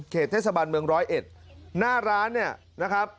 เทศบันเมืองร้อยเอ็ดหน้าร้านเนี่ยนะครับ